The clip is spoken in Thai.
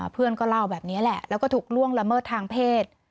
เพื่อนก็เล่าแบบนี้แหละแล้วก็ถูกล่วงละเมิดทางเพศ